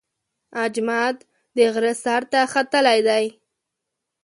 اجمد د غره سر ته ختلی دی.